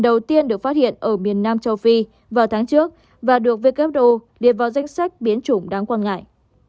đầu tiên được phát hiện ở miền nam châu phi vào tháng trước và được wdo vào danh sách biến chủng đáng quan ngại